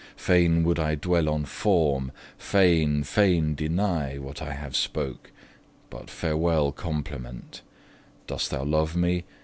Fain would I dwell on form, fain, fain deny What I have spoke but farewell compliment: Dost thou love me?